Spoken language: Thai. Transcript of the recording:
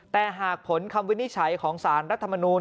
แต่หากผลคำวินิจฉัยของสารรัฐมนูล